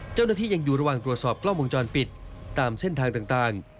เจ้าหน้าที่ยังอยู่ระหว่างตรวจสอบกล้องวงจรปิดตามเส้นทางต่าง